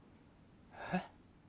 えっ？